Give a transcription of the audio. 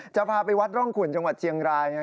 จะพาไปวัดร่องขุนจังหวัดเชียงราย